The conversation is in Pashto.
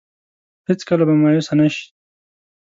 هېڅ کله به مايوسه نه شي.